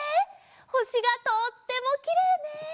ほしがとってもきれいね。